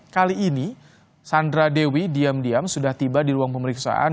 kali ini sandra dewi diam diam sudah tiba di ruang pemeriksaan